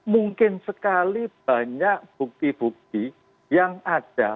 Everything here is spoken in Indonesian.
mungkin sekali banyak bukti bukti yang ada